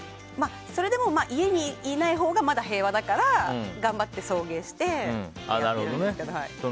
それでも家にいないほうがまだ平和だから頑張って送迎してやってるんですけど。